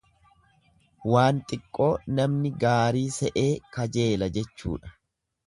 Waan xiqqoo namni gaarii se'ee kajeela jechuudha.